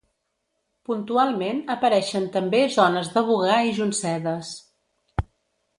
Puntualment apareixen també zones de bogar i joncedes.